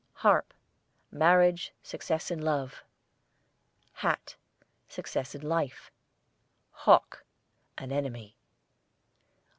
HARP, marriage, success in love. HAT, success in life. HAWK, an enemy.